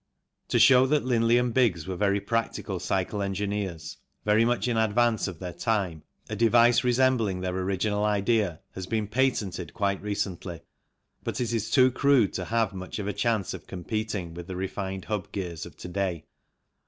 To show that Linley and Biggs were very practical cycle engineers, very much in advance of their time, a device resembling their original idea has been patented quite recently, but is too crude to have much chance of competing with the refined hub gears of to day.